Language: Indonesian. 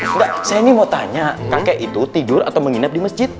enggak saya ini mau tanya kakek itu tidur atau menginap di masjid